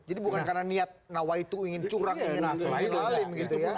jadi bukan karena niat nawaitu ingin curang ingin asli lalim gitu ya